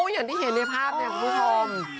อย่างที่เห็นในภาพเนี่ยคุณผู้ชม